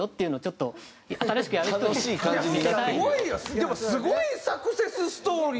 でもすごいサクセスストーリー。